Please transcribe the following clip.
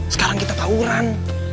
sekarang kita tawuran